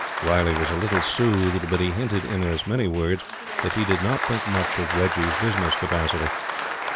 Riley was a little soothed, but he hinted in as many words that he did not think much of Reggie's business capacity.